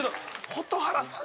蛍原さん